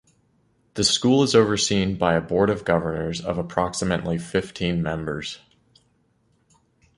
The school is overseen by a Board of Governors of approximately fifteen members.